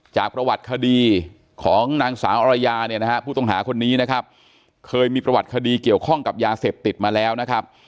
จากประวัติคดีของนางสาวอรยาเนี่ยนะฮะผู้ต้องหาคนนี้นะครับเคยมีประวัติคดีเกี่ยวข้องกับยาเสพติดมาแล้วนะครับ